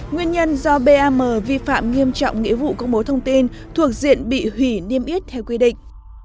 nguyên nhân do bam vi phạm nghiêm trọng nghĩa vụ công bố thông tin thuộc diện bị hủy niêm yết theo quy định